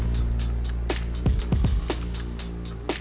dan dia juga